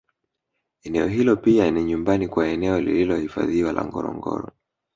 Eneo hilo pia ni nyumbani kwa eneo lililohifadhiwa la Ngorongoro